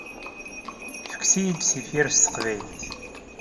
Fket-iyi-d tifyar s teqbaylit.